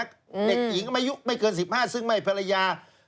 เด็กหญิงไม่เกินสิบห้าซึ่งไม่เป็นภรรยา